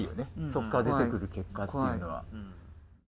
そっから出てくる結果っていうのは。